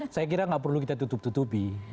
saya kira nggak perlu kita tutup tutupi